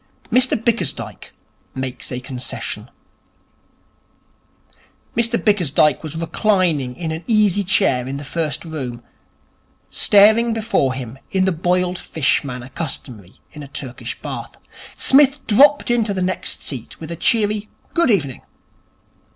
Mr Bickersdyke Makes a Concession Mr Bickersdyke was reclining in an easy chair in the first room, staring before him in the boiled fish manner customary in a Turkish Bath. Psmith dropped into the next seat with a cheery 'Good evening.'